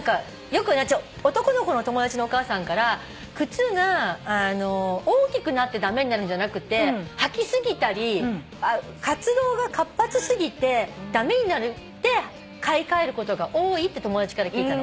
男の子の友達のお母さんから靴が大きくなって駄目になるんじゃなくて履き過ぎたり活動が活発過ぎて駄目になって買い替えることが多いって友達から聞いたの。